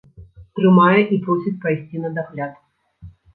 Трымае і просіць прайсці на дагляд.